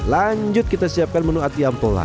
lanjut kita siapkan menu ati ampola